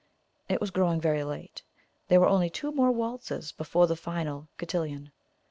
It was growing very late; there were only two more waltzes before the final cotillon.